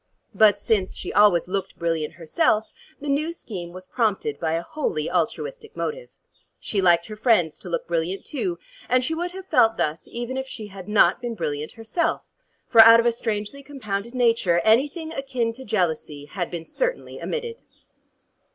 But since she always looked brilliant herself, the new scheme was prompted by a wholly altruistic motive. She liked her friends to look brilliant too, and she would have felt thus even if she had not been brilliant herself, for out of a strangely compounded nature, anything akin to jealousy had been certainly omitted.